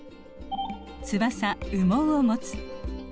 「翼・羽毛をもつ」。